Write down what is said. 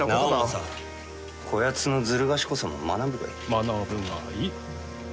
学ぶがいい。